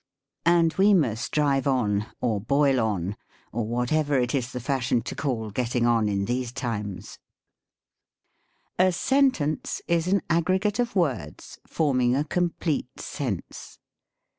And we must drive on, or loil on, or whatever it is the fashion to call getting on in these times. SYNTAX. 73 A sentence is an aggregate of words forming a complete sense.